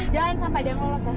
jangan sampai dia ngelolos ya